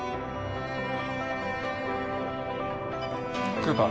クーパー。